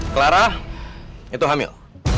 clara itu hamil